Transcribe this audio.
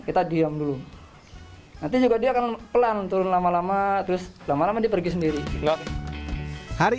kita diam dulu nanti juga dia akan pelan turun lama lama terus lama lama dia pergi sendiri lewat hari